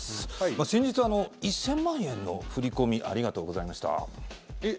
先日、１０００万円の振り込みありがとうございました。